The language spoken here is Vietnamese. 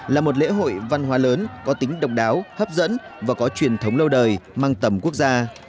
là một lễ hội văn hóa lớn có tính độc đáo hấp dẫn và có truyền thống lâu đời mang tầm quốc gia